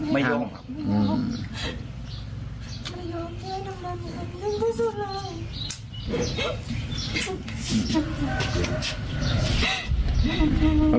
ไม่ยอมครับ